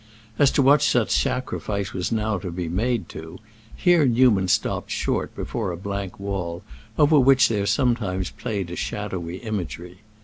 As to what such sacrifice was now to be made to, here Newman stopped short before a blank wall over which there sometimes played a shadowy imagery.